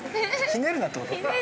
ひねるなってこと？